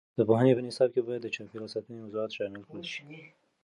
د پوهنې په نصاب کې باید د چاپیریال ساتنې موضوعات شامل کړل شي.